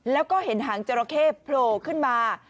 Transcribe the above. แล้วก็เห็นหางจราเข้โผล่ขึ้นมา